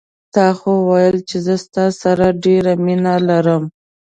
تا خو ویل چې زه ستا سره ډېره مینه لرم